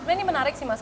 ini menarik sih mas